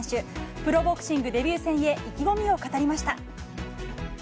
プロボクシングデビュー戦へ、意気込みを語りました。